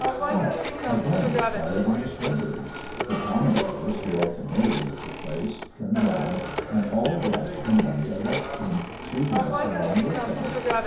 Hark! a gun is fired in the shrubbery. The promenaders, who are familiar with the place, turn round, and all rush in one direction, sweeping us along with them.